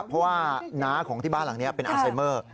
เพราะว่าน้าของที่บ้านหลังนี้เป็นอัลไซเมอร์